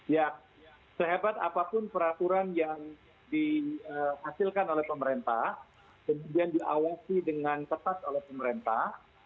ya sehebat apapun peraturan yang dihasilkan oleh pemerintah kemudian diawasi dengan ketat oleh pemerintah